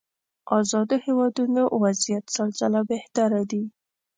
ازادو هېوادونو وضعيت سل ځله بهتره دي.